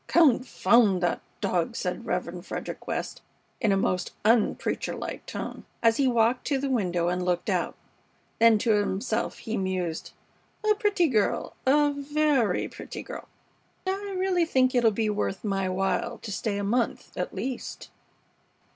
"Confound that dog!" said Rev. Frederick West, in a most unpreacher like tone, as he walked to the window and looked out. Then to himself he mused: "A pretty girl. A very pretty girl. I really think it'll be worth my while to stay a month at least."